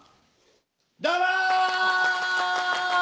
どうも！